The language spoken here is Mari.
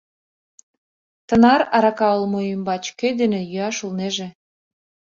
Тынар арака улмо ӱмбач кӧ дене йӱаш улнеже?